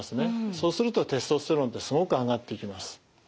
そうするとテストステロンってすごく上がっていきます。